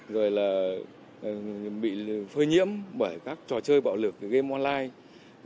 rồi là bị phơi nhiễm bởi các trò chơi bạo lực game online